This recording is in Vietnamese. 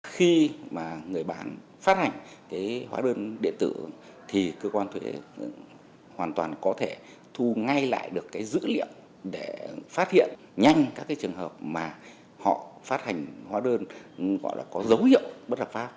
khi mà người bán phát hành cái hóa đơn điện tử thì cơ quan thuế hoàn toàn có thể thu ngay lại được cái dữ liệu để phát hiện nhanh các cái trường hợp mà họ phát hành hóa đơn gọi là có dấu hiệu bất hợp pháp